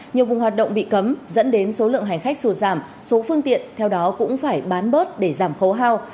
nhiều vùng hoạt động bị cấm dẫn đến số lượng hành khách sụt giảm số phương tiện theo đó cũng phải bán bớt để giảm khấu hao